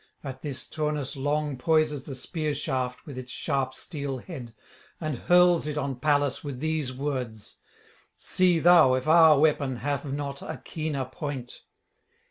At this Turnus long poises the spear shaft with its sharp steel head, and hurls it on Pallas with these words: _See thou if our weapon have not a keener point.